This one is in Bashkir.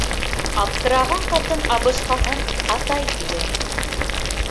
Аптыраған ҡатын абышҡаһын «атай» тигән.